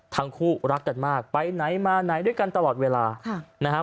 ทั้งคู่รักกันมากไปไหนมาไหนด้วยกันตลอดเวลาค่ะนะฮะ